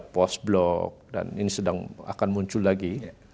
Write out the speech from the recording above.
post blok dan ini sedang akan muncul lagi